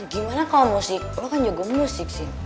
gimana kalau musik lo kan juga musik sih